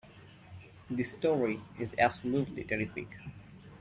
This story is absolutely terrific!